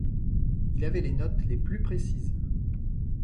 Il avait les notes les plus précises.